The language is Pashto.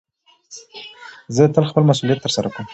زه تل خپل مسئولیت ترسره کوم.